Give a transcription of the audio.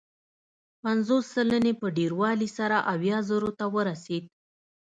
پنځوس سلنې په ډېروالي سره اویا زرو ته ورسېد.